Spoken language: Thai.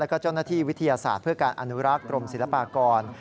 แล้วก็เจ้าหน้าที่วิทยาศาสตร์เพื่อการอนุรักษ์กรมศิลปากร